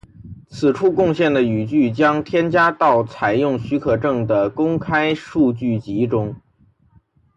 此处贡献的语句将被添加到采用许可证的公开数据集中。